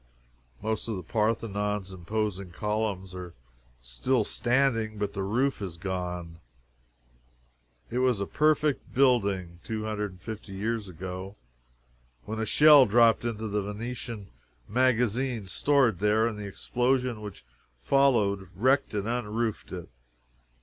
Most of the Parthenon's imposing columns are still standing, but the roof is gone. It was a perfect building two hundred and fifty years ago, when a shell dropped into the Venetian magazine stored here, and the explosion which followed wrecked and unroofed it.